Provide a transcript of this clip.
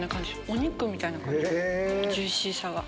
お肉みたいな感じジューシーさが。